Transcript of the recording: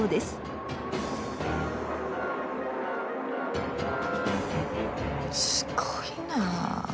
すごいな。